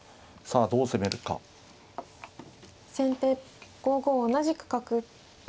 先手５五同じく角。